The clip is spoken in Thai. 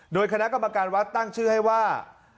โดยคณะกรรมการวัดตั้งชื่อให้ว่า